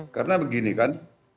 karena begini kan